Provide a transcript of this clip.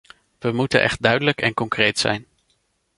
We moeten echt duidelijk en concreet zijn.